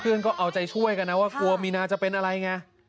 ก็เอาใจช่วยกันนะว่ากลัวมีนาจะเป็นอะไรไง